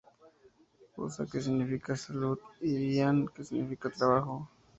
Osa que significa salud y lan que significa trabajo.